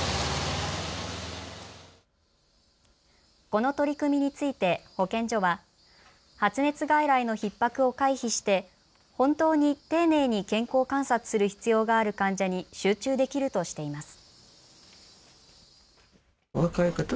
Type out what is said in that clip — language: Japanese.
この取り組みについて保健所は発熱外来のひっ迫を回避して本当に丁寧に健康観察する必要がある患者に集中できるとしています。